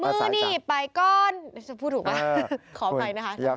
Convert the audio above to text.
มื้อนี่ไปก่อนจะพูดถูกมั้ย